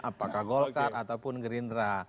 apakah golkar ataupun gerindra